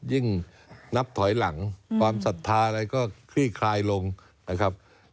ยิ่งนับถอยหลังความศรัทธาอะไรก็คลี่คลายลงนะครับ